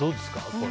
これ。